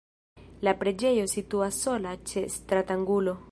La preĝejo situas sola ĉe stratangulo.